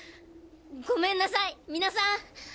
ごめんなさい皆さん。